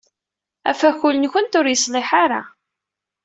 Afakul-nwent ur yeṣliḥ ara.